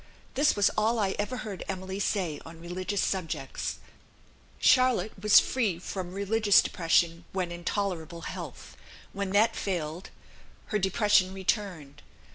This was all I ever heard Emily say on religious subjects. Charlotte was free from religious depression when in tolerable health; when that failed, her depression returned.